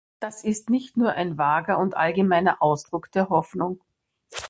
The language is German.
Das ist nicht nur ein vager und allgemeiner Ausdruck der Hoffnung.